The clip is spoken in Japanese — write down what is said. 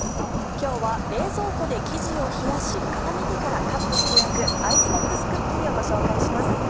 今日は冷蔵庫で生地を冷やし固めてからカットして焼くアイスボックスクッキーをご紹介します。